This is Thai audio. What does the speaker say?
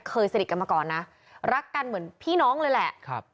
สนิทกันมาก่อนนะรักกันเหมือนพี่น้องเลยแหละ